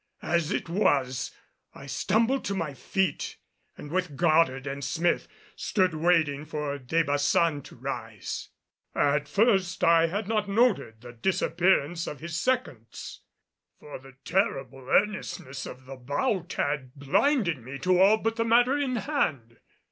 As it was I stumbled to my feet and with Goddard and Smith, stood waiting for De Baçan to rise. At first I had not noted the disappearance of his seconds, for the terrible earnestness of the bout had blinded me to all but the matter in hand.